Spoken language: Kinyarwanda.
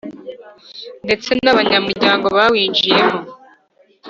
ndetse n’abanyamuryango bawinjiyemo